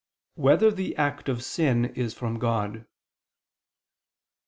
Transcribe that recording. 2] Whether the Act of Sin Is from God?